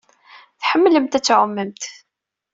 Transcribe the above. Tḥemmlemt ad tɛumemt.